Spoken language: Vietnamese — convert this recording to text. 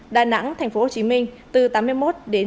đà nẵng tp hcm từ tám mươi một đến chín mươi sáu